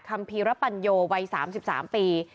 คำภีระปัญโยวัย๓๓ปี